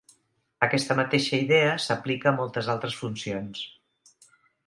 Aquesta mateixa idea s'aplica a moltes altres funcions.